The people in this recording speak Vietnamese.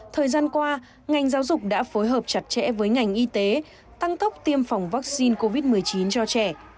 thời gian qua ngành giáo dục đã phối hợp chặt chẽ với ngành y tế tăng tốc tiêm phòng vaccine covid một mươi chín cho trẻ